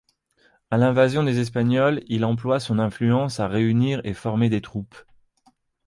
À l’invasion des Espagnols, il emploie son influence à réunir et former des troupes.